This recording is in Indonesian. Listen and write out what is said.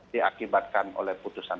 diakibatkan oleh putusan